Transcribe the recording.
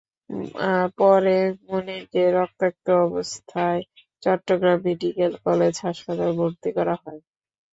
পরে মনিরকে রক্তাক্ত অবস্থায় চট্টগ্রাম মেডিকেল কলেজ হাসপাতালে ভর্তি করা হয়।